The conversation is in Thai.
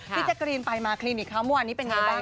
พี่เจกรีนไปมาคลีนิกเมื่อวานนี้เป็นไงบ้าง